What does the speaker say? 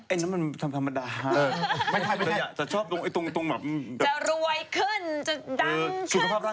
เอ๊ะนั้นมันทำธรรมดาไม่ใช่จะเกิดรวยขึ้นจะดังขึ้น